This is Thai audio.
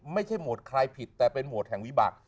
โหมดใครผิดแต่เป็นโหมดแห่งวิบัติ